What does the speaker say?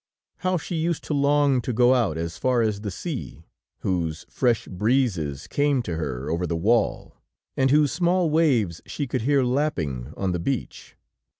How she used to long to go out, as far as the sea, whose fresh breezes came to her over the wall, and whose small waves she could hear lapping on the beach.